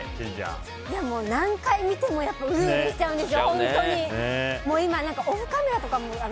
何回見てもうるうるしちゃうんですよ。